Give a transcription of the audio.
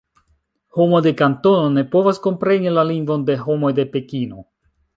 Homo de Kantono ne povas kompreni la lingvon de homoj de Pekino.